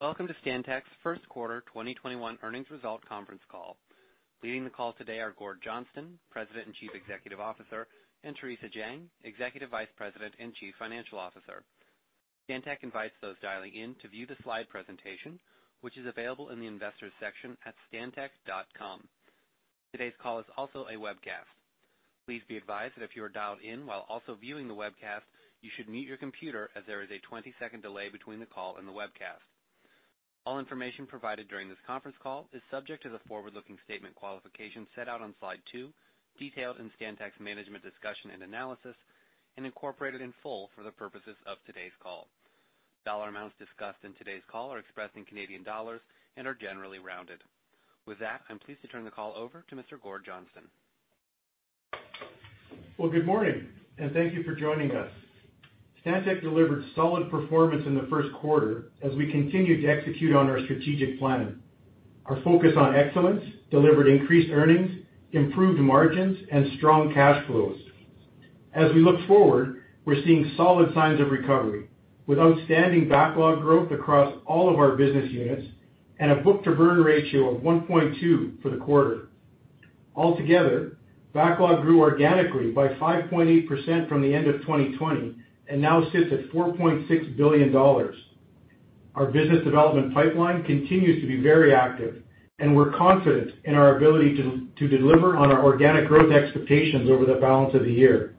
Welcome to Stantec's First Quarter 2021 Earnings Result Conference Call. Leading the call today are Gord Johnston, President and Chief Executive Officer, and Theresa Jang, Executive Vice President and Chief Financial Officer. Stantec invites those dialing in to view the slide presentation, which is available in the Investors section at stantec.com. Today's call is also a webcast. Please be advised that if you are dialed in while also viewing the webcast, you should mute your computer as there is a 20-second delay between the call and the webcast. All information provided during this conference call is subject to the forward-looking statement qualification set out on slide two, detailed in Stantec's Management's Discussion and Analysis, and incorporated in full for the purposes of today's call. Dollar amounts discussed in today's call are expressed in Canadian dollars and are generally rounded. With that, I'm pleased to turn the call over to Mr. Gord Johnston. Well, good morning, thank you for joining us. Stantec delivered solid performance in the first quarter as we continued to execute on our strategic plan. Our focus on excellence delivered increased earnings, improved margins, and strong cash flows. As we look forward, we're seeing solid signs of recovery, with outstanding backlog growth across all of our business units and a book-to-bill ratio of 1.2 for the quarter. Altogether, backlog grew organically by 5.8% from the end of 2020 and now sits at 4.6 billion dollars. Our business development pipeline continues to be very active, and we're confident in our ability to deliver on our organic growth expectations over the balance of the year.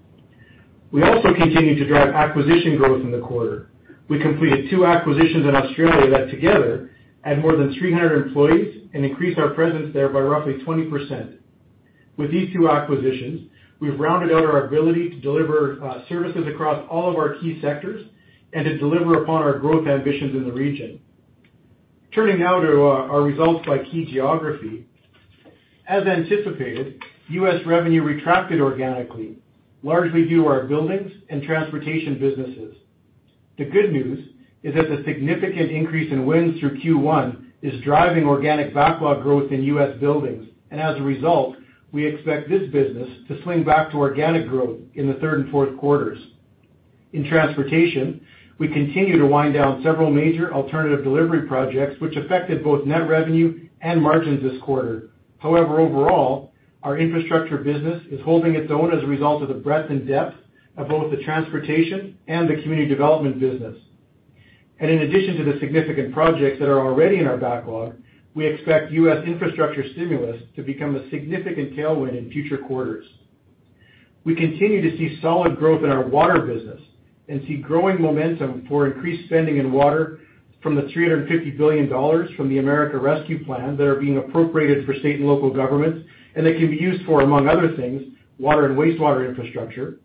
We also continued to drive acquisition growth in the quarter. We completed two acquisitions in Australia that together add more than 300 employees and increase our presence there by roughly 20%. With these two acquisitions, we've rounded out our ability to deliver services across all of our key sectors and to deliver upon our growth ambitions in the region. Turning now to our results by key geography. As anticipated, U.S. revenue retracted organically, largely due to our Buildings and Transportation businesses. The good news is that the significant increase in wins through Q1 is driving organic backlog growth in U.S. Buildings, and as a result, we expect this business to swing back to organic growth in the third and fourth quarters. In Transportation, we continue to wind down several major alternative delivery projects which affected both net revenue and margins this quarter. Overall, our infrastructure business is holding its own as a result of the breadth and depth of both the transportation and the community development business. In addition to the significant projects that are already in our backlog, we expect U.S. infrastructure stimulus to become a significant tailwind in future quarters. We continue to see solid growth in our Water business and see growing momentum for increased spending in Water from the 350 billion dollars from the American Rescue Plan that are being appropriated for state and local governments and that can be used for, among other things, water and wastewater infrastructure.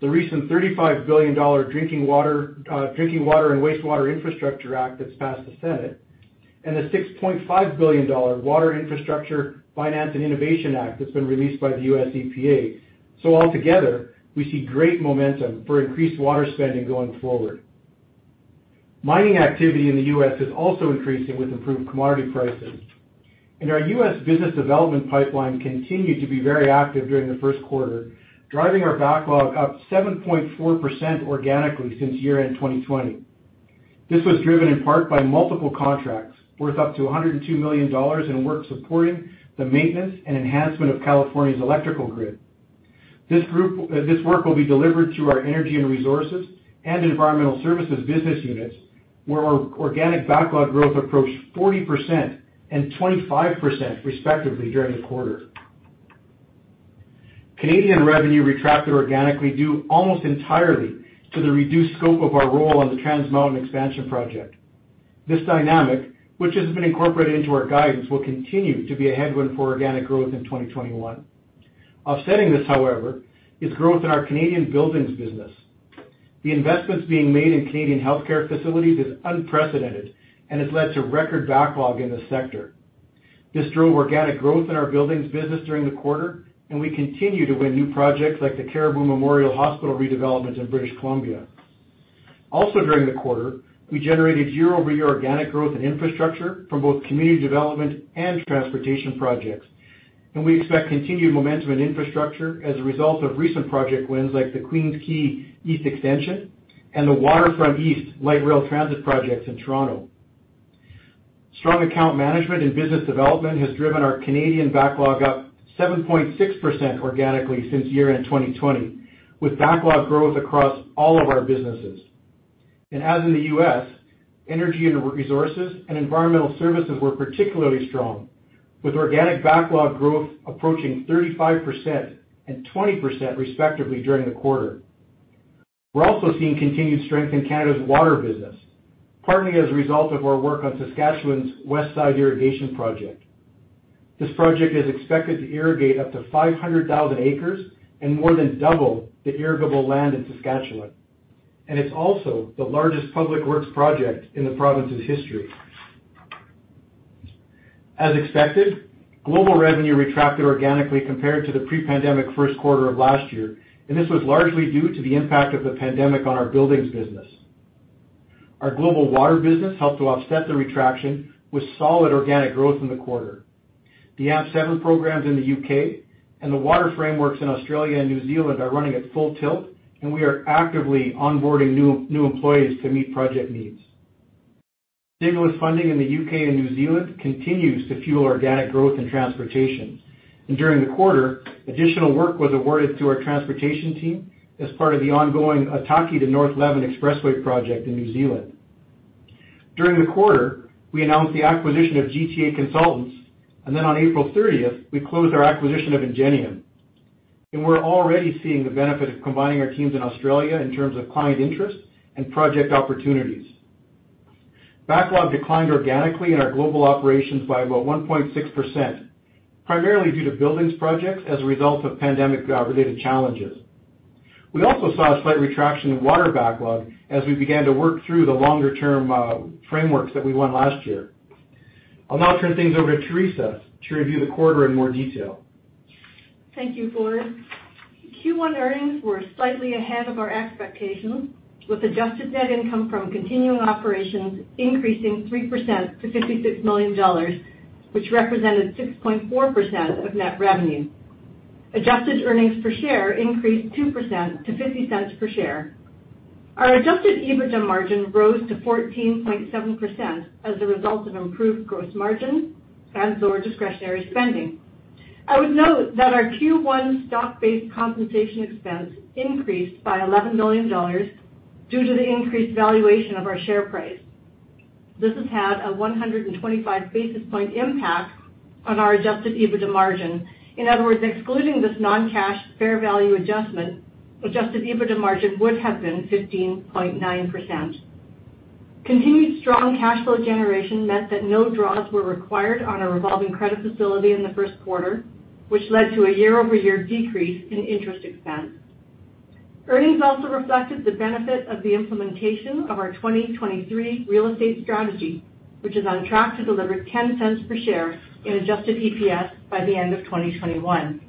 The recent 35 billion dollar Drinking Water and Wastewater Infrastructure Act that has passed the Senate, and the 6.5 billion dollar Water Infrastructure Finance and Innovation Act that has been released by the USEPA. Altogether, we see great momentum for increased Water spending going forward. Mining activity in the U.S. is also increasing with improved commodity prices. Our U.S. business development pipeline continued to be very active during the first quarter, driving our backlog up 7.4% organically since year-end 2020. This was driven in part by multiple contracts worth up to 102 million dollars in work supporting the maintenance and enhancement of California's electrical grid. This work will be delivered through our Energy and Resources and Environmental Services business units, where our organic backlog growth approached 40% and 25% respectively during the quarter. Canadian revenue retracted organically due almost entirely to the reduced scope of our role on the Trans Mountain Expansion Project. This dynamic, which has been incorporated into our guidance, will continue to be a headwind for organic growth in 2021. Offsetting this, however, is growth in our Canadian Buildings business. The investments being made in Canadian healthcare facilities is unprecedented and has led to record backlog in the sector. This drove organic growth in our Buildings business during the quarter, and we continue to win new projects like the Cariboo Memorial Hospital redevelopment in British Columbia. Also during the quarter, we generated year-over-year organic growth in infrastructure from both community development and transportation projects, and we expect continued momentum in infrastructure as a result of recent project wins like the Queens Quay East Extension and the Waterfront East light rail transit projects in Toronto. Strong account management and business development has driven our Canadian backlog up 7.6% organically since year-end 2020, with backlog growth across all of our businesses. As in the U.S., Energy and Resources and Environmental Services were particularly strong, with organic backlog growth approaching 35% and 20% respectively during the quarter. We're also seeing continued strength in Canada's Water business, partly as a result of our work on Saskatchewan's Westside Irrigation Project. This project is expected to irrigate up to 500,000 acres and more than double the irrigable land in Saskatchewan. It's also the largest public works project in the province's history. As expected, global revenue retracted organically compared to the pre-pandemic first quarter of last year, and this was largely due to the impact of the pandemic on our Buildings business. Our Global Water business helped to offset the retraction with solid organic growth in the quarter. The AMP7 programs in the U.K. and the water frameworks in Australia and New Zealand are running at full tilt, and we are actively onboarding new employees to meet project needs. Significant funding in the U.K. and New Zealand continues to fuel organic growth in Transportation. During the quarter, additional work was awarded to our Transportation team as part of the ongoing Ōtaki to north of Levin Expressway project in New Zealand. During the quarter, we announced the acquisition of GTA Consultants. On April 30th, we closed our acquisition of Engenium. We're already seeing the benefit of combining our teams in Australia in terms of client interest and project opportunities. Backlog declined organically in our global operations by about 1.6%, primarily due to buildings projects as a result of pandemic-related challenges. We also saw a slight retraction of Water backlog as we began to work through the longer-term frameworks that we won last year. I'll now turn things over to Theresa to review the quarter in more detail. Thank you, Gord. Q1 earnings were slightly ahead of our expectations with adjusted net income from continuing operations increasing 3% to 56 million dollars, which represented 6.4% of net revenue. Adjusted earnings per share increased 2% to 0.50 per share. Our adjusted EBITDA margin rose to 14.7% as a result of improved gross margin and lower discretionary spending. I would note that our Q1 stock-based compensation expense increased by 11 million dollars due to the increased valuation of our share price. This has had a 125 basis point impact on our adjusted EBITDA margin. In other words, excluding this non-cash fair value adjustment, adjusted EBITDA margin would have been 15.9%. Continued strong cash flow generation meant that no draws were required on our revolving credit facility in the first quarter, which led to a year-over-year decrease in interest expense. Earnings also reflected the benefit of the implementation of our 2023 Real Estate Strategy, which is on track to deliver 0.10 per share in adjusted EPS by the end of 2021.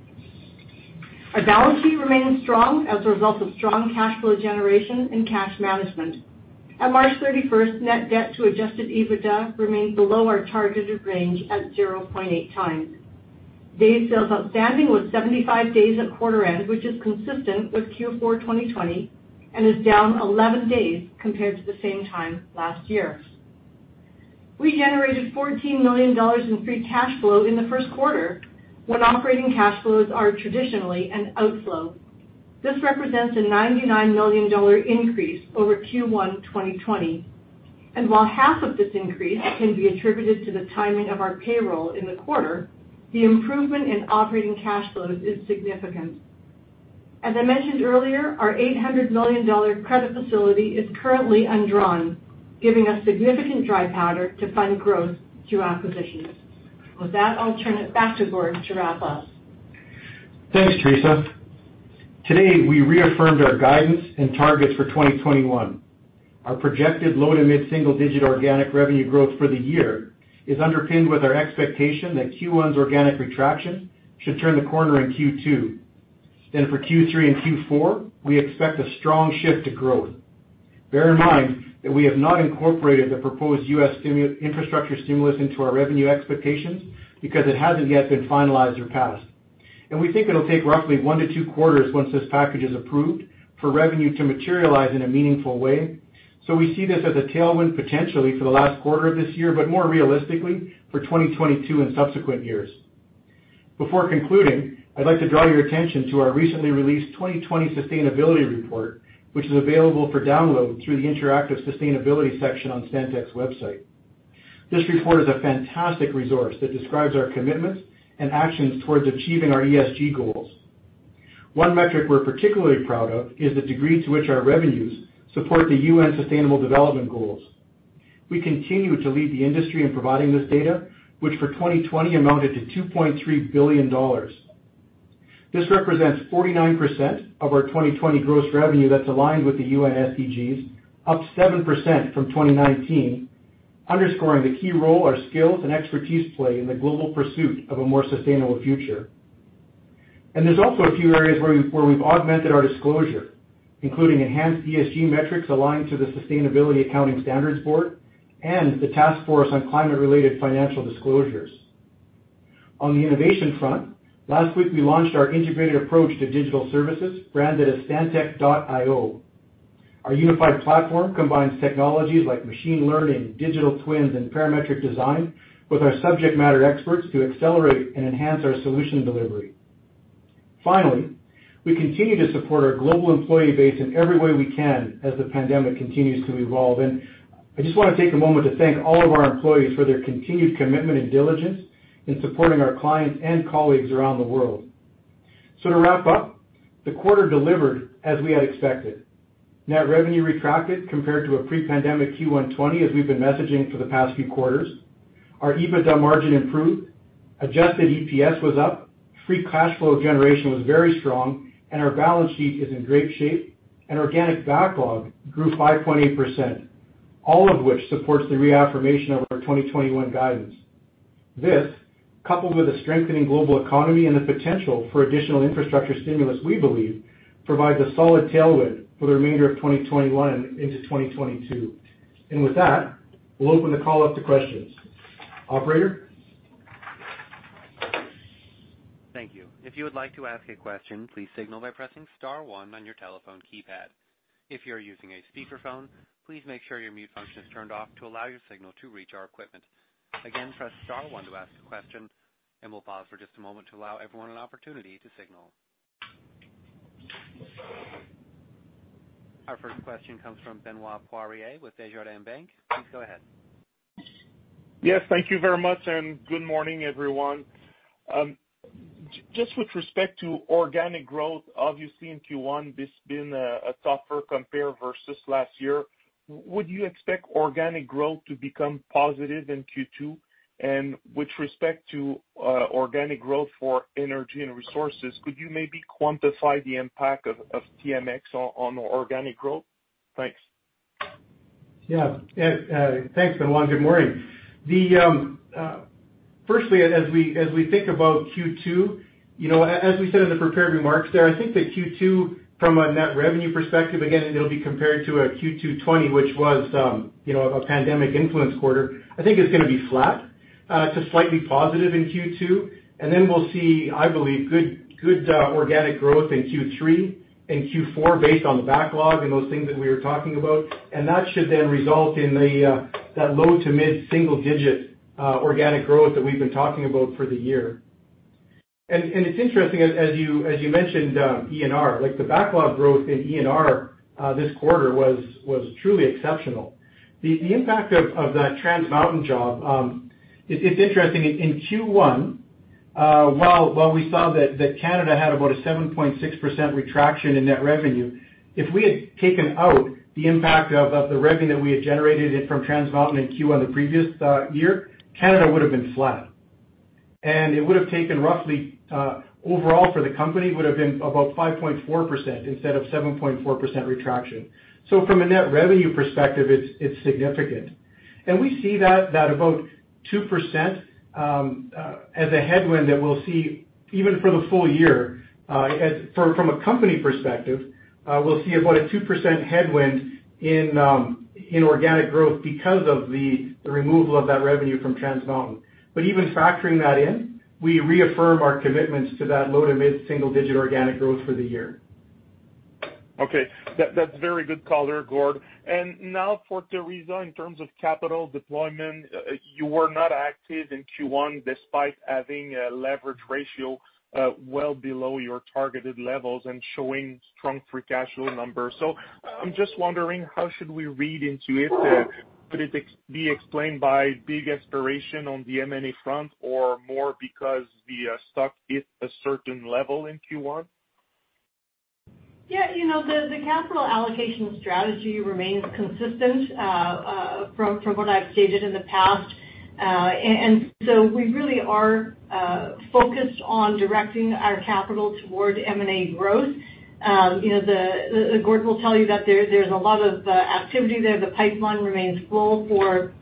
Our Balance Sheet remains strong as a result of strong cash flow generation and cash management. At March 31st, net debt to adjusted EBITDA remained below our targeted range at 0.8x. Day sales outstanding was 75 days at quarter end, which is consistent with Q4 2020 and is down 11 days compared to the same time last year. We generated 14 million dollars in free cash flow in the first quarter, when operating cash flows are traditionally an outflow. This represents a 99 million dollar increase over Q1 2020. While half of this increase can be attributed to the timing of our payroll in the quarter, the improvement in operating cash flows is significant. As I mentioned earlier, our 800 million dollar credit facility is currently undrawn, giving us significant dry powder to fund growth through acquisitions. With that, I'll turn it back to Gord to wrap up. Thanks, Theresa. Today, we reaffirmed our guidance and targets for 2021. Our projected low to mid-single digit organic revenue growth for the year is underpinned with our expectation that Q1's organic retraction should turn the corner in Q2. For Q3 and Q4, we expect a strong shift to growth. Bear in mind that we have not incorporated the proposed U.S. infrastructure stimulus into our revenue expectations because it hasn't yet been finalized or passed. We think it'll take roughly one to two quarters once this package is approved for revenue to materialize in a meaningful way. We see this as a tailwind potentially for the last quarter of this year, but more realistically for 2022 and subsequent years. Before concluding, I'd like to draw your attention to our recently released 2020 sustainability report, which is available for download through the interactive sustainability section on Stantec's website. This report is a fantastic resource that describes our commitments and actions towards achieving our ESG goals. One metric we're particularly proud of is the degree to which our revenues support the UN Sustainable Development Goals. We continue to lead the industry in providing this data, which for 2020 amounted to 2.3 billion dollars. This represents 49% of our 2020 gross revenue that's aligned with the UN SDGs, up 7% from 2019, underscoring the key role our skills and expertise play in the global pursuit of a more sustainable future. There's also a few areas where we've augmented our disclosure, including enhanced ESG metrics aligned to the Sustainability Accounting Standards Board and the Task Force on Climate-related Financial Disclosures. On the innovation front, last week, we launched our integrated approach to digital services, branded as Stantec.io. Our unified platform combines technologies like machine learning, digital twins, and parametric design with our subject matter experts to accelerate and enhance our solution delivery. Finally, we continue to support our global employee base in every way we can as the pandemic continues to evolve. I just want to take a moment to thank all of our employees for their continued commitment and diligence in supporting our clients and colleagues around the world. To wrap up, the quarter delivered as we had expected. Net revenue retracted compared to a pre-pandemic Q1 2020, as we've been messaging for the past few quarters. Our EBITDA margin improved, adjusted EPS was up, free cash flow generation was very strong, and our Balance Sheet is in great shape, and organic backlog grew 5.8%, all of which supports the reaffirmation of our 2021 guidance. This, coupled with a strengthening global economy and the potential for additional infrastructure stimulus, we believe, provides a solid tailwind for the remainder of 2021 and into 2022. With that, we'll open the call up to questions. Operator? Thank you. If you would like to ask a question, please signal by pressing star one on your telephone keypad. If you are using a speakerphone, please make sure your mute function is turned off to allow your signal to reach our equipment. Again, press star one to ask a question, and we'll pause for just a moment to allow everyone an opportunity to signal. Our first question comes from Benoit Poirier with Desjardins Bank. Please go ahead. Yes. Thank you very much, and good morning, everyone. Just with respect to organic growth, obviously, in Q1, this has been a tougher compare versus last year. Would you expect organic growth to become positive in Q2? With respect to organic growth for Energy and Resources, could you maybe quantify the impact of TMX on organic growth? Thanks. Yeah. Thanks, Benoit. Good morning. Firstly, as we think about Q2, as we said in the prepared remarks there, I think that Q2 from a net revenue perspective, again, it'll be compared to a Q2 2020, which was a pandemic influenced quarter. It's going to be flat to slightly positive in Q2. We'll see, I believe, good organic growth in Q3 and Q4 based on the backlog and those things that we were talking about. That should then result in that low to mid-single digit organic growth that we've been talking about for the year. It's interesting, as you mentioned E&R. The backlog growth in E&R this quarter was truly exceptional. The impact of that Trans Mountain job, it's interesting. In Q1, while we saw that Canada had about a 7.6% retraction in net revenue, if we had taken out the impact of the revenue that we had generated from Trans Mountain in Q1 the previous year, Canada would have been flat. It would have taken roughly, overall for the company, would have been about 5.4% instead of 7.4% retraction. From a net revenue perspective, it's significant. We see that about 2% as a headwind that we'll see even for the full year. From a company perspective, we'll see about a 2% headwind in organic growth because of the removal of that revenue from Trans Mountain. Even factoring that in, we reaffirm our commitments to that low to mid single digit organic growth for the year. Okay. That's very good color, Gord. Now for Theresa, in terms of capital deployment, you were not active in Q1 despite having a leverage ratio well below your targeted levels and showing strong free cash flow numbers. I'm just wondering, how should we read into it? Could it be explained by big expiration on the M&A front or more because the stock hit a certain level in Q1? Yeah. The capital allocation strategy remains consistent from what I've stated in the past. We really are focused on directing our capital toward M&A growth. Gord will tell you that there's a lot of activity there. The pipeline remains full for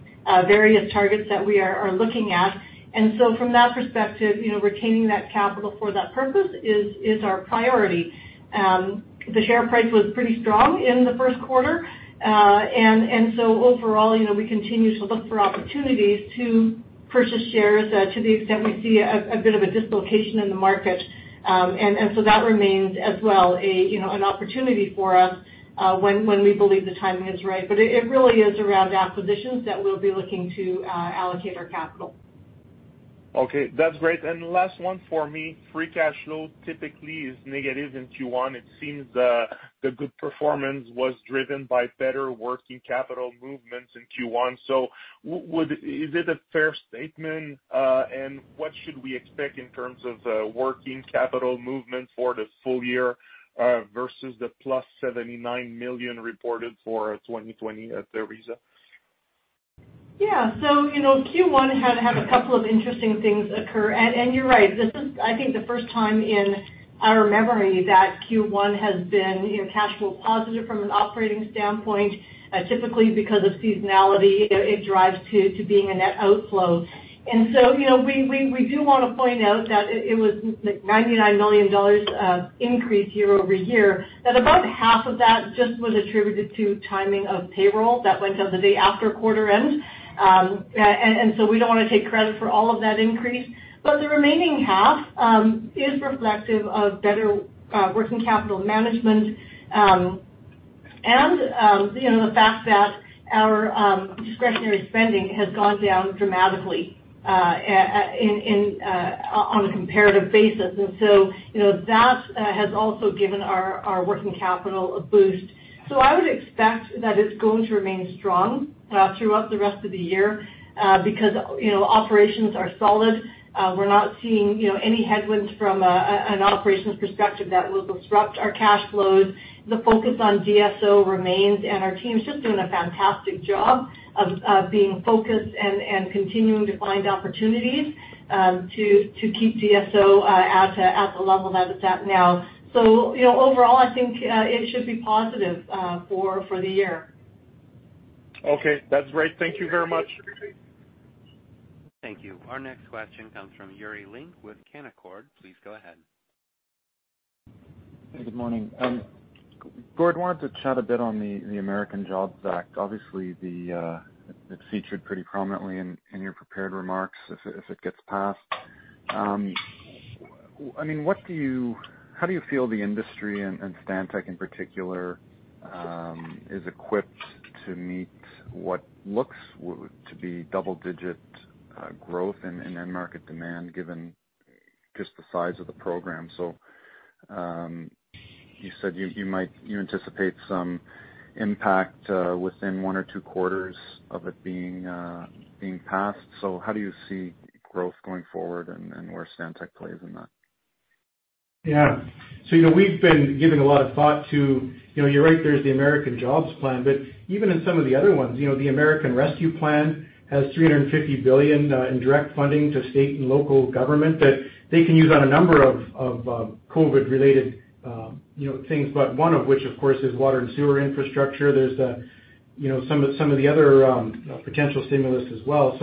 various targets that we are looking at. From that perspective, retaining that capital for that purpose is our priority. The share price was pretty strong in the first quarter. Overall, we continue to look for opportunities to purchase shares to the extent we see a bit of a dislocation in the market. That remains as well, an opportunity for us when we believe the timing is right. It really is around acquisitions that we'll be looking to allocate our capital. Okay. That's great. Last one for me. Free cash flow typically is negative in Q1. It seems the good performance was driven by better working capital movements in Q1. Is it a fair statement? What should we expect in terms of working capital movement for the full year versus the +79 million reported for 2020, Theresa? Yeah. Q1 had to have a couple of interesting things occur. You're right, this is, I think, the first time in our memory that Q1 has been cash flow positive from an operating standpoint. Typically, because of seasonality, it drives to being a net outflow. We do want to point out that it was like 99 million dollars of increase year-over-year, that about half of that just was attributed to timing of payroll that went out the day after quarter end. We don't want to take credit for all of that increase, but the remaining half is reflective of better working capital management and the fact that our discretionary spending has gone down dramatically on a comparative basis. That has also given our working capital a boost. I would expect that it's going to remain strong throughout the rest of the year because operations are solid. We're not seeing any headwinds from an operations perspective that will disrupt our cash flows. The focus on DSO remains, and our team's just doing a fantastic job of being focused and continuing to find opportunities to keep DSO at the level that it's at now. Overall, I think it should be positive for the year. Okay. That's great. Thank you very much. Thank you. Our next question comes from Yuri Lynk with Canaccord. Please go ahead. Hey, good morning. Gord, wanted to chat a bit on the American Jobs Plan. Obviously, it featured pretty prominently in your prepared remarks if it gets passed. How do you feel the industry, and Stantec in particular, is equipped to meet what looks to be double-digit growth in end market demand, given just the size of the program? You said you anticipate some impact within one or two quarters of it being passed. How do you see growth going forward and where Stantec plays in that? We've been giving a lot of thought to. You're right, there's the American Jobs Plan, but even in some of the other ones, the American Rescue Plan has 350 billion in direct funding to state and local government that they can use on a number of COVID-related things, but one of which, of course, is water and sewer infrastructure. There's some of the other potential stimulus as well.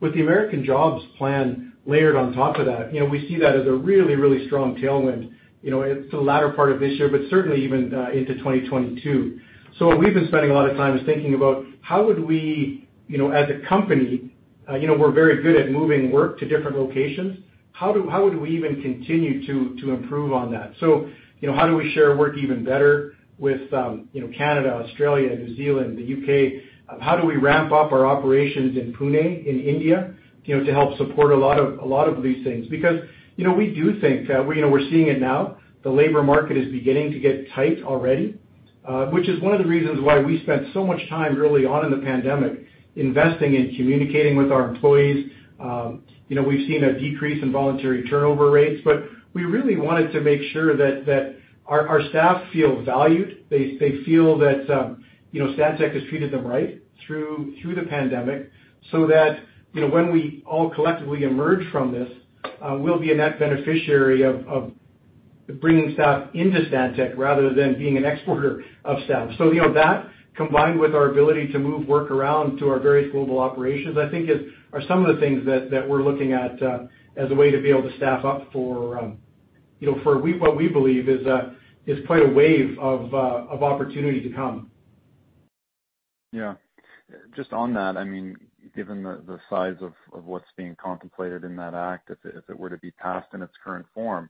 With the American Jobs Plan layered on top of that, we see that as a really strong tailwind. It's the latter part of this year, but certainly even into 2022. What we've been spending a lot of time is thinking about how would we, as a company, we're very good at moving work to different locations. How would we even continue to improve on that? How do we share work even better with Canada, Australia, New Zealand, the U.K.? How do we ramp up our operations in Pune, in India, to help support a lot of these things? We do think that we're seeing it now, the labor market is beginning to get tight already, which is one of the reasons why we spent so much time early on in the pandemic investing in communicating with our employees. We've seen a decrease in voluntary turnover rates, but we really wanted to make sure that our staff feel valued. They feel that Stantec has treated them right through the pandemic, so that when we all collectively emerge from this, we'll be a net beneficiary of bringing staff into Stantec rather than being an exporter of staff. That combined with our ability to move work around to our various global operations, I think are some of the things that we're looking at as a way to be able to staff up for what we believe is quite a wave of opportunity to come. Yeah. Just on that, given the size of what's being contemplated in that act, if it were to be passed in its current form,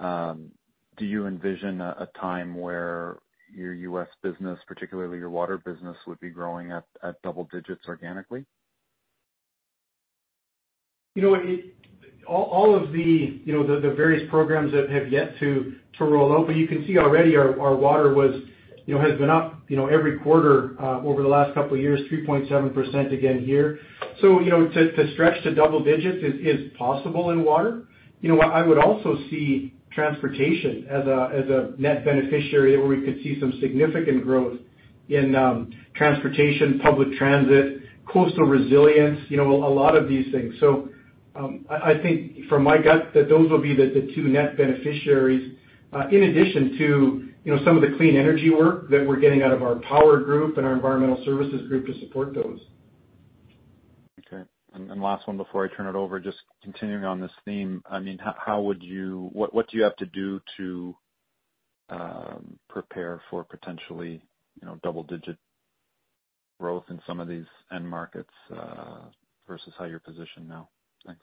do you envision a time where your U.S. business, particularly your Water business, would be growing at double digits organically? All of the various programs that have yet to roll out, but you can see already our Water has been up every quarter over the last couple of years, 3.7% again here. To stretch to double digits is possible in Water. I would also see Transportation as a net beneficiary where we could see some significant growth in Transportation, public transit, coastal resilience, a lot of these things. I think from my gut, that those will be the two net beneficiaries, in addition to some of the clean energy work that we're getting out of our Power group and our Environmental Services group to support those. Okay. Last one before I turn it over, just continuing on this theme, what do you have to do to prepare for potentially double-digit growth in some of these end markets, versus how you're positioned now? Thanks.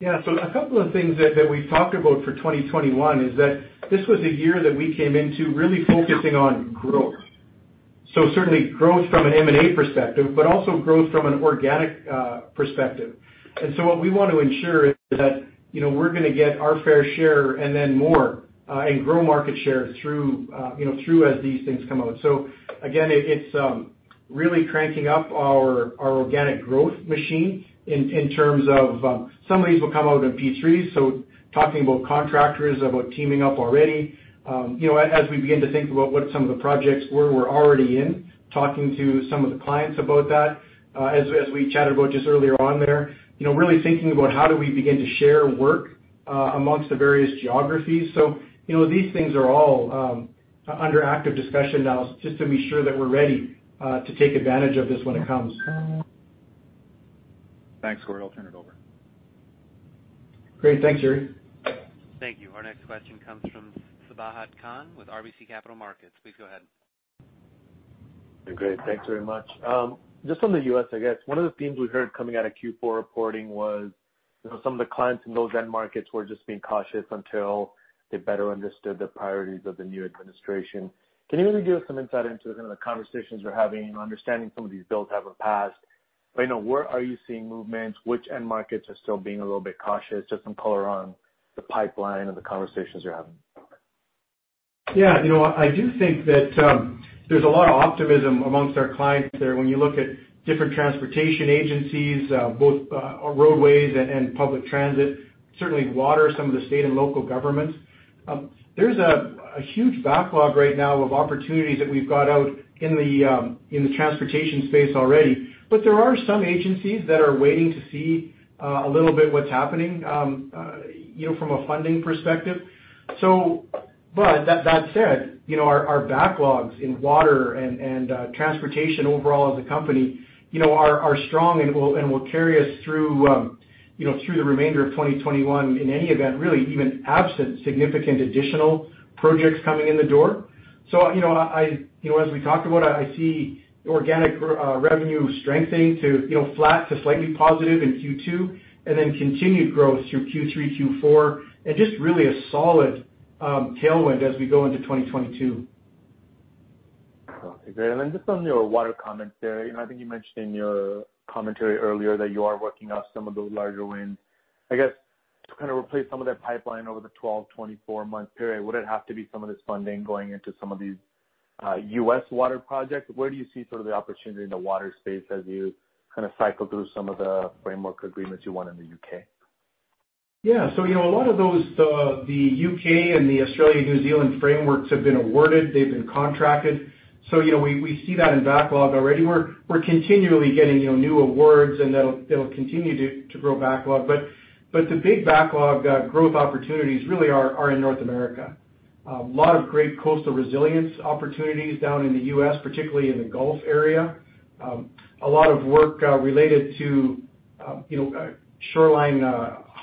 A couple of things that we've talked about for 2021 is that this was a year that we came into really focusing on growth. Certainly growth from an M&A perspective, but also growth from an organic perspective. What we want to ensure is that we're going to get our fair share and then more, and grow market share through as these things come out. Again, it's really cranking up our organic growth machine in terms of some of these will come out in P3s, so talking about contractors, about teaming up already. As we begin to think about what some of the projects we're already in, talking to some of the clients about that, as we chatted about just earlier on there. Really thinking about how do we begin to share work amongst the various geographies. These things are all under active discussion now, just to be sure that we're ready to take advantage of this when it comes. Thanks, Gord. I'll turn it over. Great. Thanks, Yuri. Thank you. Our next question comes from Sabahat Khan with RBC Capital Markets. Please go ahead. Great. Thanks very much. Just on the U.S., I guess one of the themes we heard coming out of Q4 reporting was some of the clients in those end markets were just being cautious until they better understood the priorities of the new administration. Can you maybe give us some insight into some of the conversations you're having and understanding some of these bills that haven't passed? Where are you seeing movement? Which end markets are still being a little bit cautious? Just some color on the pipeline and the conversations you're having. Yeah. I do think that there's a lot of optimism amongst our clients there. When you look at different transportation agencies, both roadways and public transit, certainly water, some of the state and local governments. There's a huge backlog right now of opportunities that we've got out in the transportation space already. There are some agencies that are waiting to see a little bit what's happening from a funding perspective. That said, our backlogs in water and transportation overall as a company are strong and will carry us through the remainder of 2021, in any event, really even absent significant additional projects coming in the door. As we talked about, I see organic revenue strengthening to flat to slightly positive in Q2, and then continued growth through Q3, Q4, and just really a solid tailwind as we go into 2022. Okay, great. Then just on your water comments there, I think you mentioned in your commentary earlier that you are working on some of those larger wins. I guess, to kind of replace some of that pipeline over the 12, 24-month period, would it have to be some of this funding going into some of these U.S. water projects? Where do you see sort of the opportunity in the water space as you kind of cycle through some of the framework agreements you won in the U.K.? A lot of those, the U.K. and the Australia-New Zealand frameworks have been awarded, they've been contracted. We see that in backlog already. We're continually getting new awards, and that'll continue to grow backlog. The big backlog growth opportunities really are in North America. A lot of great coastal resilience opportunities down in the U.S., particularly in the Gulf area. A lot of work related to shoreline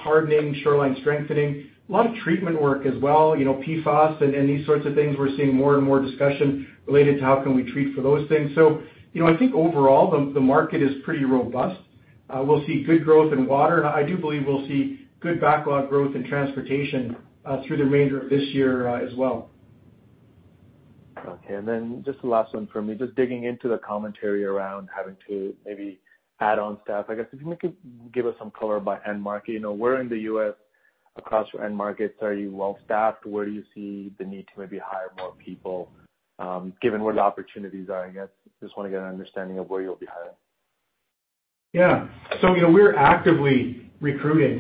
hardening, shoreline strengthening. A lot of treatment work as well, PFAS and these sorts of things, we're seeing more and more discussion related to how can we treat for those things. I think overall, the market is pretty robust. We'll see good growth in Water, and I do believe we'll see good backlog growth in Transportation through the remainder of this year as well. Okay. Just the last one from me, just digging into the commentary around having to maybe add on staff, I guess if you maybe could give us some color by end market. Where in the U.S. across your end markets are you well-staffed? Where do you see the need to maybe hire more people, given where the opportunities are? I guess, just want to get an understanding of where you'll be hiring. We're actively recruiting.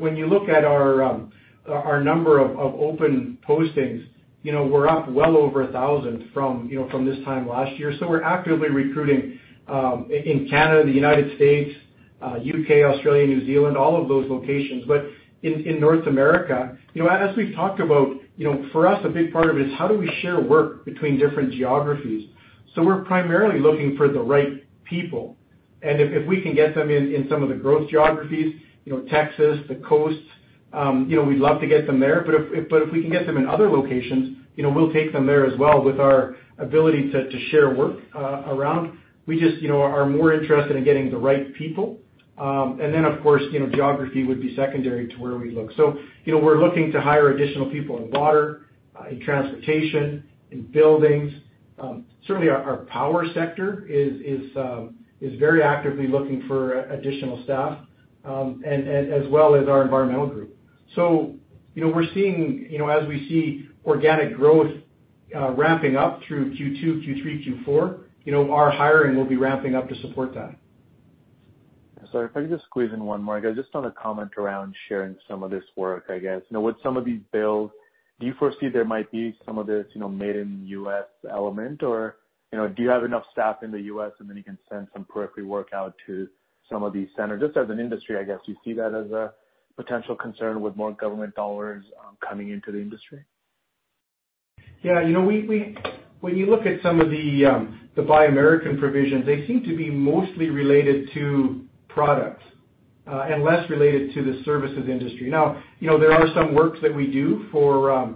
When you look at our number of open postings, we're up well over 1,000 from this time last year. We're actively recruiting, in Canada, the United States, U.K., Australia, New Zealand, all of those locations. In North America, as we've talked about, for us, a big part of it is how do we share work between different geographies? We're primarily looking for the right people. If we can get them in some of the growth geographies, Texas, the coasts, we'd love to get them there. If we can get them in other locations, we'll take them there as well with our ability to share work around. We just are more interested in getting the right people. Of course, geography would be secondary to where we look. We're looking to hire additional people in Water, in Transportation, in Buildings. Certainly, our Power sector is very actively looking for additional staff, as well as our Environmental group. As we see organic growth ramping up through Q2, Q3, Q4, our hiring will be ramping up to support that. Sorry, if I could just squeeze in one more. I guess just on a comment around sharing some of this work, I guess. With some of these builds, do you foresee there might be some of this Made-in-U.S. element, or do you have enough staff in the U.S. and then you can send some periphery work out to some of these centers? Just as an industry, I guess, do you see that as a potential concern with more government dollars coming into the industry? Yeah. When you look at some of the Buy American provisions, they seem to be mostly related to product, and less related to the services industry. Now, there are some works that we do for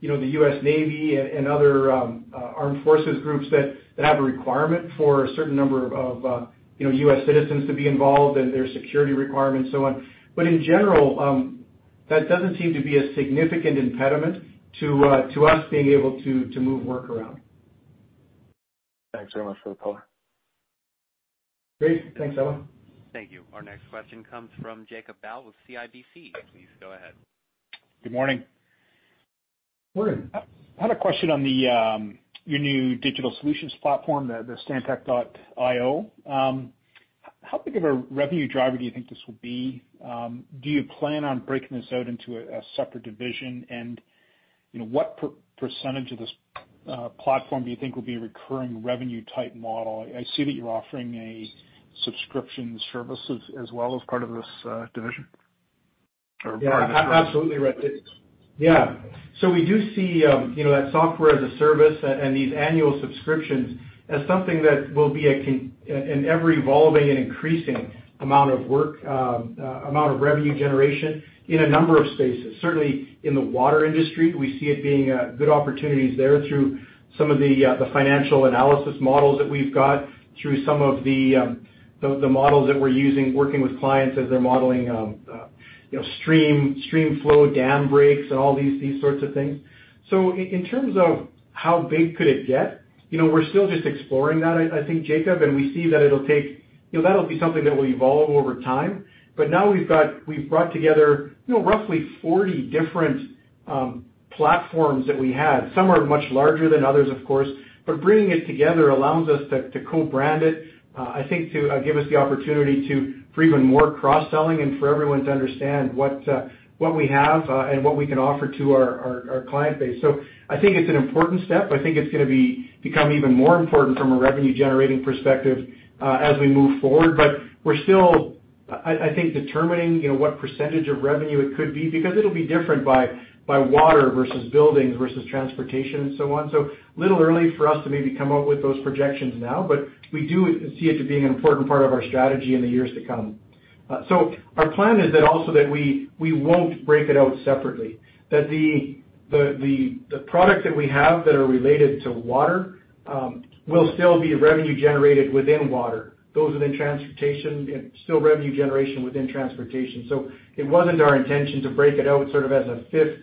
the U.S. Navy and other armed forces groups that have a requirement for a certain number of U.S. citizens to be involved and there are security requirements and so on. In general, that doesn't seem to be a significant impediment to us being able to move work around. Thanks very much for the color. Great. Thanks, Sabahat. Thank you. Our next question comes from Jacob Bout with CIBC. Please go ahead. Good morning. Morning. I had a question on your new digital solutions platform, the Stantec.io. How big of a revenue driver do you think this will be? Do you plan on breaking this out into a separate division? What percentage of this platform do you think will be a recurring revenue type model? I see that you're offering a subscription service as well as part of this division. Yeah, absolutely. Yeah. We do see that software as a service and these annual subscriptions as something that will be an ever-evolving and increasing amount of revenue generation in a number of spaces. Certainly, in the Water industry, we see it being good opportunities there through some of the financial analysis models that we've got, through some of the models that we're using working with clients as they're modeling stream flow, dam breaks, and all these sorts of things. In terms of how big could it get, we're still just exploring that, I think, Jacob, and we see that that'll be something that will evolve over time. Now we've brought together roughly 40 different platforms that we had. Some are much larger than others, of course, but bringing it together allows us to co-brand it, I think to give us the opportunity for even more cross-selling and for everyone to understand what we have and what we can offer to our client base. I think it's an important step. I think it's going to become even more important from a revenue-generating perspective as we move forward. We're still I think determining what percentage of revenue it could be, because it'll be different by Water versus Buildings versus Transportation and so on. Little early for us to maybe come out with those projections now, but we do see it as being an important part of our strategy in the years to come. Our plan is that also that we won't break it out separately, that the product that we have that are related to Water, will still be revenue generated within Water. Those within Transportation, still revenue generation within Transportation. It wasn't our intention to break it out sort of as a fifth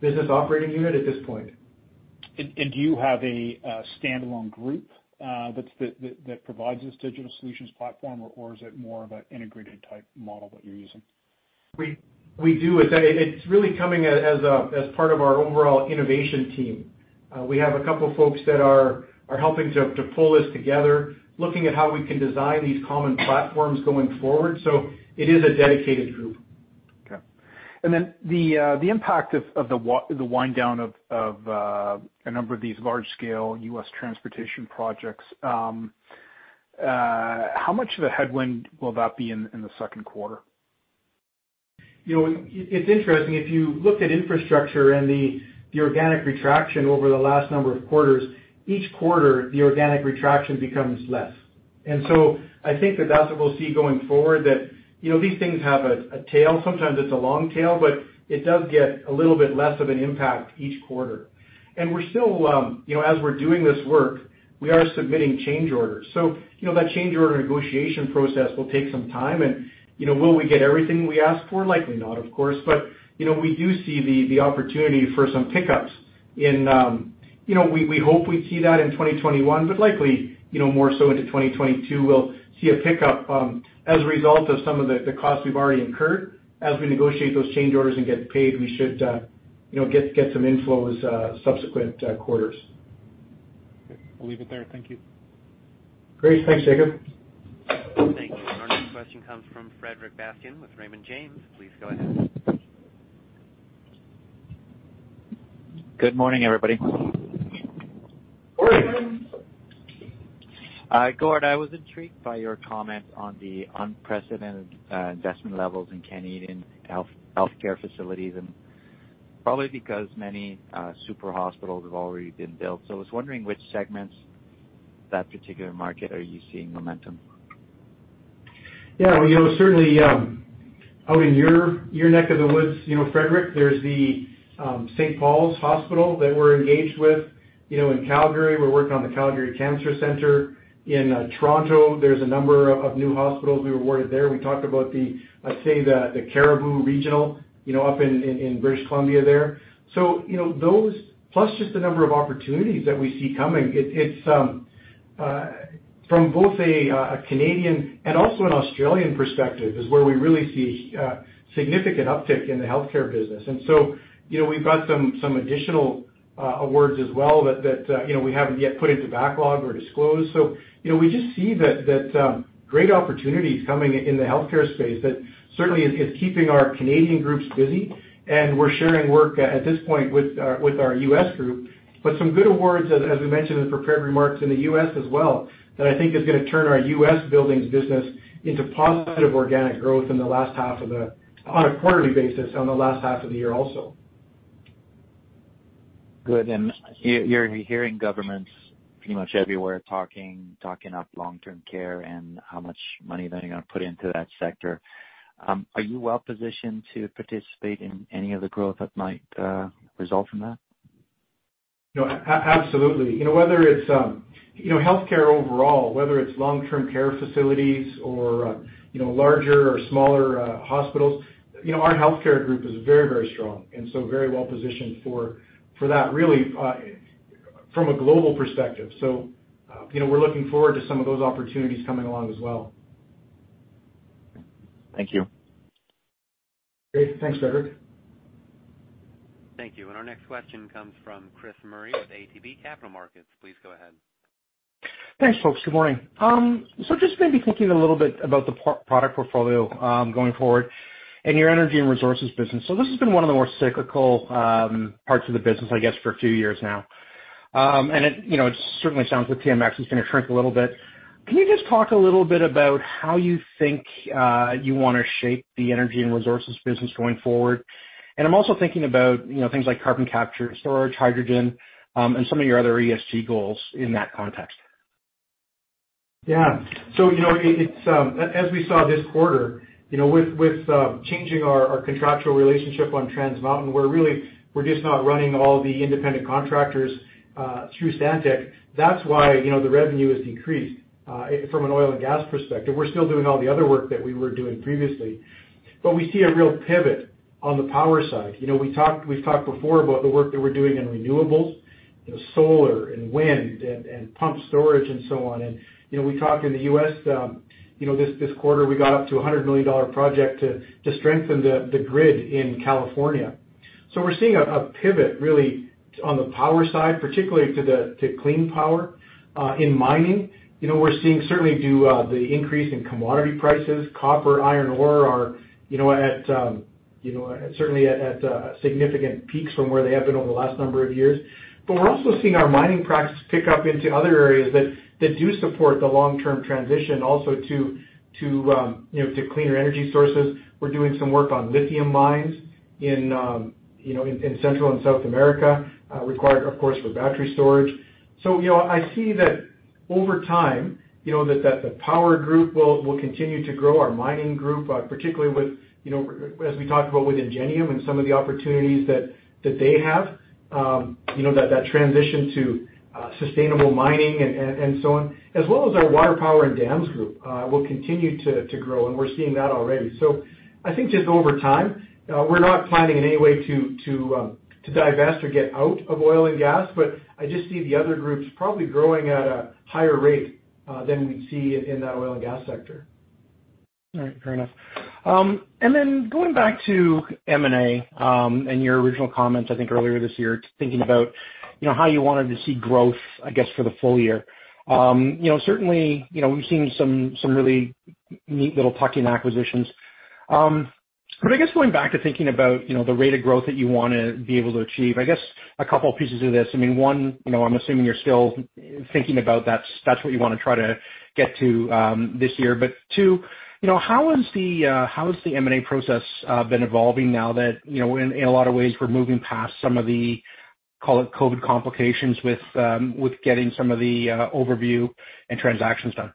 business operating unit at this point. Do you have a standalone group, that provides this digital solutions platform? Or is it more of an integrated type model that you're using? We do. It's really coming as part of our overall Innovation team. We have a couple folks that are helping to pull this together, looking at how we can design these common platforms going forward. It is a dedicated group. Okay. Then the impact of the wind down of a number of these large-scale U.S. Transportation projects, how much of a headwind will that be in the second quarter? It's interesting, if you looked at Infrastructure and the organic retraction over the last number of quarters, each quarter the organic retraction becomes less. I think that's what we'll see going forward that these things have a tail. Sometimes it's a long tail, but it does get a little bit less of an impact each quarter. We're still, as we're doing this work, we are submitting change orders. That change order negotiation process will take some time and will we get everything we ask for? Likely not, of course, but we do see the opportunity for some pickups in, we hope we see that in 2021, but likely, more so into 2022 we'll see a pickup, as a result of some of the costs we've already incurred. As we negotiate those change orders and get paid, we should get some inflows subsequent quarters. Okay. I'll leave it there. Thank you. Great. Thanks, Jacob. Thank you. Our next question comes from Frederic Bastien with Raymond James. Please go ahead. Good morning, everybody. Morning. Gord, I was intrigued by your comment on the unprecedented investment levels in Canadian healthcare facilities, and probably because many super hospitals have already been built. I was wondering which segments of that particular market are you seeing momentum? Certainly, out in your neck of the woods, Frederic, there's the St. Paul's Hospital that we're engaged with. In Calgary, we're working on the Calgary Cancer Center. In Toronto, there's a number of new hospitals we were awarded there. We talked about the, I'd say, the Cariboo Regional, up in British Columbia there. Those plus just the number of opportunities that we see coming, it's from both a Canadian and also an Australian perspective is where we really see a significant uptick in the healthcare business. We've got some additional awards as well that we haven't yet put into backlog or disclosed. We just see that great opportunities coming in the healthcare space that certainly is keeping our Canadian groups busy, and we're sharing work, at this point, with our U.S. group. Some good awards, as we mentioned in the prepared remarks, in the U.S. as well, that I think is going to turn our U.S. Buildings business into positive organic growth on a quarterly basis, on the last half of the year also. Good. You're hearing governments pretty much everywhere talking up long-term care and how much money they're going to put into that sector. Are you well positioned to participate in any of the growth that might result from that? Absolutely. Healthcare overall, whether it's long-term care facilities or larger or smaller hospitals, our Healthcare group is very strong and so very well positioned for that, really, from a global perspective. We're looking forward to some of those opportunities coming along as well. Thank you. Great. Thanks, Frederic. Thank you. Our next question comes from Chris Murray with ATB Capital Markets. Please go ahead. Thanks, folks. Good morning. Just maybe thinking a little bit about the product portfolio going forward and your Energy and Resources business. This has been one of the more cyclical parts of the business, I guess, for a few years now. It certainly sounds like TMX is going to shrink a little bit. Can you just talk a little bit about how you think you want to shape the Energy and Resources business going forward? I'm also thinking about things like carbon capture, storage, hydrogen, and some of your other ESG goals in that context. Yeah. As we saw this quarter, with changing our contractual relationship on Trans Mountain, we're just not running all the independent contractors through Stantec. That's why the revenue has decreased from an oil and gas perspective. We're still doing all the other work that we were doing previously. We see a real pivot on the Power side. We've talked before about the work that we're doing in renewables, solar and wind and pumped storage and so on. We talked in the U.S. this quarter, we got up to a 100 million dollar project to strengthen the grid in California. We're seeing a pivot really on the Power side, particularly to clean power. In mining, we're seeing certainly due the increase in commodity prices, copper, iron ore are certainly at significant peaks from where they have been over the last number of years. We're also seeing our mining practice pick up into other areas that do support the long-term transition also to cleaner energy sources. We're doing some work on lithium mines in Central and South America, required, of course, for battery storage. I see that over time, that the Power group will continue to grow. Our Mining group, particularly as we talked about with Engenium and some of the opportunities that they have, that transition to sustainable mining and so on, as well as our Water Power and Dams group, will continue to grow, and we're seeing that already. I think just over time, we're not planning in any way to divest or get out of oil and gas, but I just see the other groups probably growing at a higher rate than we'd see in that oil and gas sector. All right, fair enough. Going back to M&A, and your original comments, I think, earlier this year, thinking about how you wanted to see growth, I guess, for the full year. Certainly, we've seen some really neat little tuck-in acquisitions. I guess going back to thinking about the rate of growth that you want to be able to achieve, I guess a couple of pieces of this. One, I'm assuming you're still thinking about that's what you want to try to get to this year. Two, how has the M&A process been evolving now that, in a lot of ways, we're moving past some of the, call it COVID complications, with getting some of the overview and transactions done?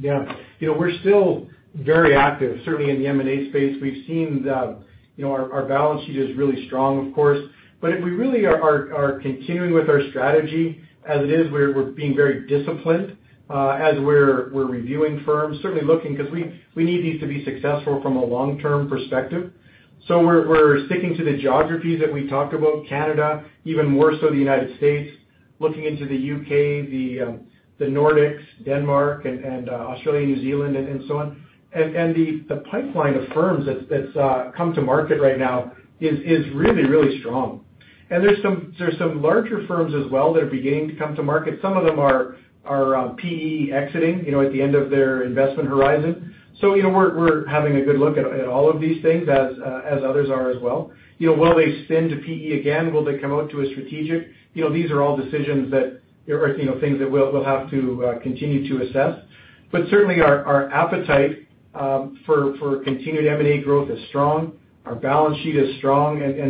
We're still very active, certainly in the M&A space. We've seen our Balance Sheet is really strong, of course. We really are continuing with our strategy as it is. We're being very disciplined as we're reviewing firms. Certainly looking, because we need these to be successful from a long-term perspective. We're sticking to the geographies that we talked about, Canada, even more so the United States, looking into the U.K., the Nordics, Denmark, and Australia, New Zealand, and so on. The pipeline of firms that's come to market right now is really, really strong. There's some larger firms as well that are beginning to come to market. Some of them are PE exiting, at the end of their investment horizon. We're having a good look at all of these things, as others are as well. Will they spin to PE again? Will they come out to a strategic? These are all things that we'll have to continue to assess. Certainly our appetite for continued M&A growth is strong. Our Balance Sheet is strong.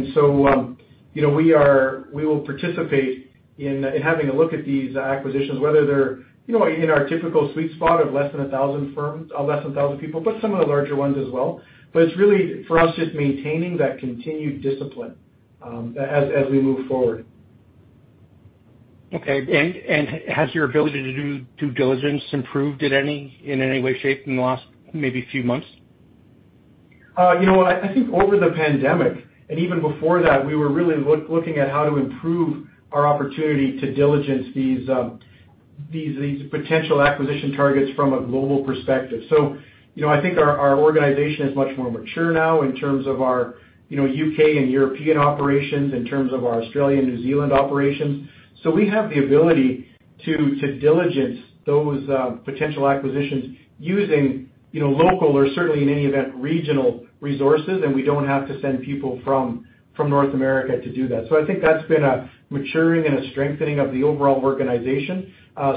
We will participate in having a look at these acquisitions, whether they're in our typical sweet spot of less than 1,000 people, but some of the larger ones as well. It's really, for us, just maintaining that continued discipline as we move forward. Okay. Has your ability to do due diligence improved in any way, shape, in the last maybe few months? I think over the pandemic, and even before that, we were really looking at how to improve our opportunity to diligence these potential acquisition targets from a global perspective. I think our organization is much more mature now in terms of our U.K. and European operations, in terms of our Australia and New Zealand operations. We have the ability to diligence those potential acquisitions using local or certainly, in any event, regional resources, and we don't have to send people from North America to do that. I think that's been a maturing and a strengthening of the overall organization.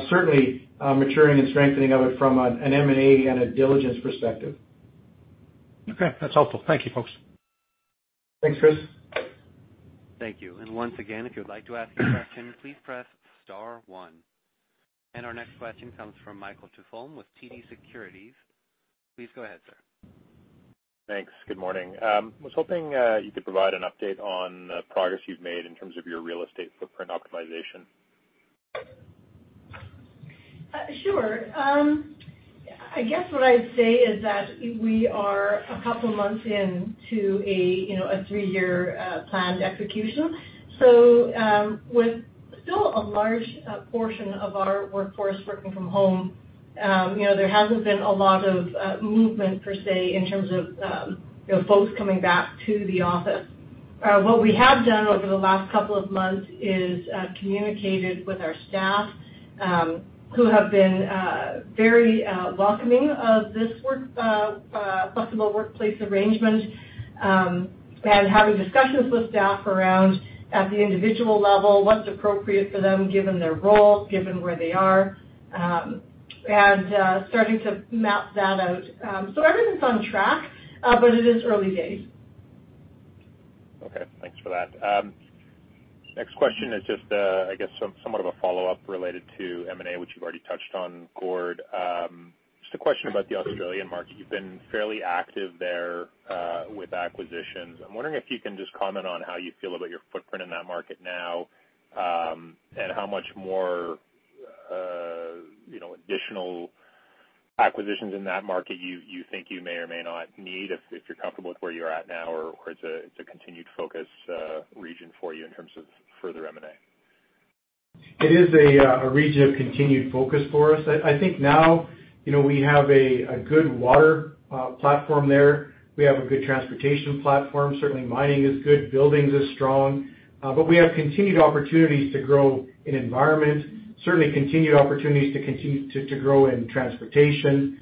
Certainly, maturing and strengthening of it from an M&A and a diligence perspective. Okay. That's helpful. Thank you, folks. Thanks, Chris. Thank you. Once again, if you would like to ask a question, please press star one. Our next question comes from Michael Tupholme with TD Securities. Please go ahead, sir. Thanks. Good morning. I was hoping you could provide an update on the progress you've made in terms of your real estate footprint optimization. Sure. I guess what I'd say is that we are a couple of months into a three-year planned execution. With still a large portion of our workforce working from home, there hasn't been a lot of movement, per se, in terms of folks coming back to the office. What we have done over the last couple of months is communicated with our staff, who have been very welcoming of this flexible workplace arrangement, and having discussions with staff around, at the individual level, what's appropriate for them given their roles, given where they are, and starting to map that out. Everything's on track, but it is early days. Okay. Thanks for that. Next question is just, I guess, somewhat of a follow-up related to M&A, which you've already touched on, Gord. Just a question about the Australian market. You've been fairly active there with acquisitions. I'm wondering if you can just comment on how you feel about your footprint in that market now, and how much more additional acquisitions in that market you think you may or may not need, if you're comfortable with where you're at now, or it's a continued focus region for you in terms of further M&A. It is a region of continued focus for us. I think now we have a good Water platform there. We have a good Transportation platform. Certainly, Mining is good. Buildings are strong. We have continued opportunities to grow in Environment. Certainly, continued opportunities to continue to grow in Transportation,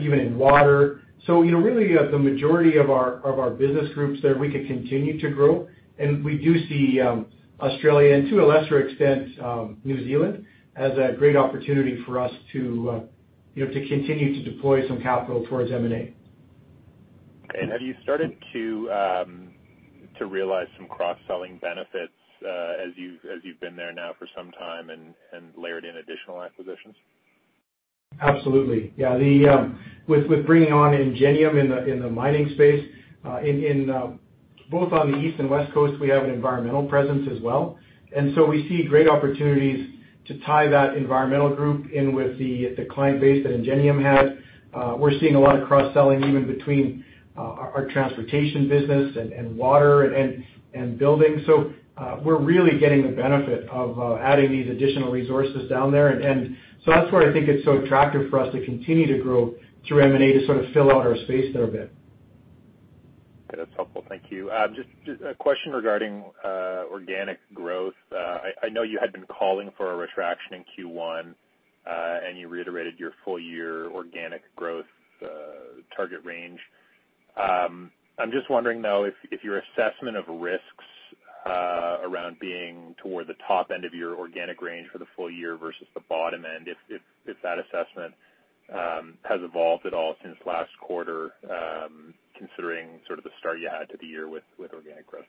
even in Water. Really, the majority of our business groups there, we could continue to grow. We do see Australia, and to a lesser extent, New Zealand, as a great opportunity for us to continue to deploy some capital towards M&A. Okay, have you started to realize some cross-selling benefits as you've been there now for some time and layered in additional acquisitions? Absolutely. Yeah. With bringing on Engenium in the mining space, both on the East and West Coast, we have an environmental presence as well. We see great opportunities to tie that environmental group in with the client base that Engenium had. We're seeing a lot of cross-selling, even between our Transportation business and Water and Building. We're really getting the benefit of adding these additional resources down there. That's where I think it's so attractive for us to continue to grow through M&A, to sort of fill out our space there a bit. Okay. That's helpful. Thank you. Just a question regarding organic growth. I know you had been calling for a retraction in Q1, and you reiterated your full year organic growth target range. I'm just wondering, though, if your assessment of risks around being toward the top end of your organic range for the full year versus the bottom end, if that assessment has evolved at all since last quarter, considering sort of the start you had to the year with organic growth.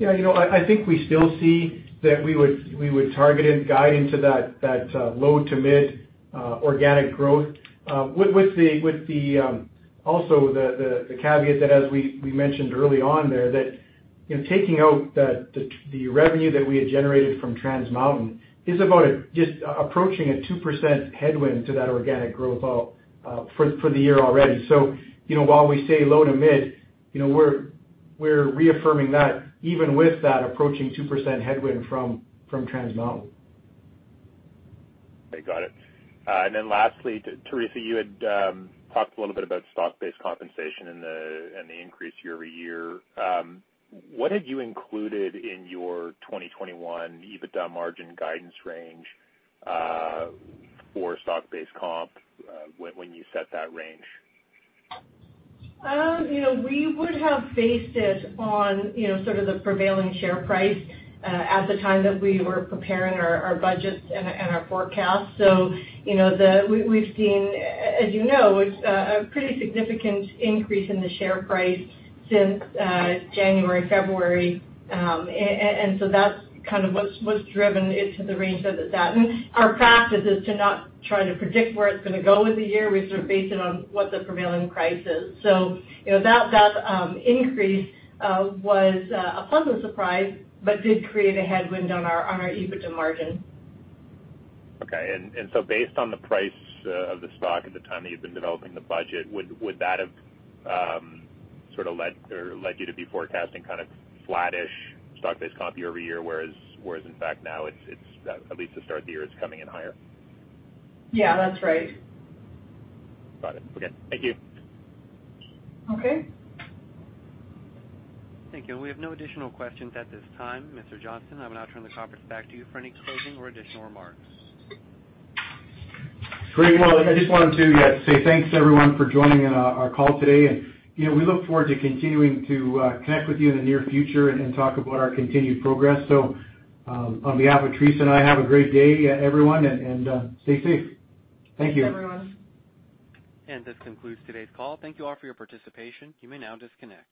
I think we still see that we would target and guide into that low to mid organic growth. With also the caveat that, as we mentioned early on there, that taking out the revenue that we had generated from Trans Mountain is about just approaching a 2% headwind to that organic growth for the year already. While we say low to mid, we're reaffirming that even with that approaching 2% headwind from Trans Mountain. Okay, got it. Lastly, Theresa, you had talked a little bit about stock-based compensation and the increase year-over-year. What had you included in your 2021 EBITDA margin guidance range for stock-based comp when you set that range? We would have based it on sort of the prevailing share price at the time that we were preparing our budgets and our forecast. We've seen, as you know, a pretty significant increase in the share price since January, February. That's kind of what's driven it to the range that it's at. Our practice is to not try to predict where it's going to go in the year. We sort of base it on what the prevailing price is. That increase was a pleasant surprise, but did create a headwind on our EBITDA margin. Okay. Based on the price of the stock at the time that you'd been developing the budget, would that have sort of led you to be forecasting kind of flattish stock-based comp year-over-year, whereas in fact now, at least the start of the year, it's coming in higher? Yeah, that's right. Got it. Okay. Thank you. Okay. Thank you. We have no additional questions at this time. Mr. Johnston, I will now turn the conference back to you for any closing or additional remarks. Great. Well, I just wanted to say thanks everyone for joining our call today, and we look forward to continuing to connect with you in the near future and talk about our continued progress. On behalf of Theresa and I, have a great day everyone, and stay safe. Thank you. Thanks, everyone. This concludes today's call. Thank you all for your participation. You may now disconnect.